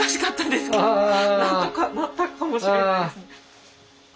なんとかなったかもしれないです。